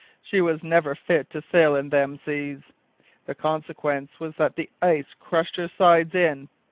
She was never fit to sail in them seas. The consequence was that the ice crushed her sides in.